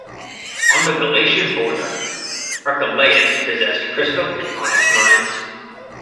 On the Galatian border, Archelaus possessed crystal and onyx mines.